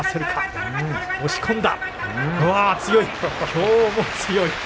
きょうも強い。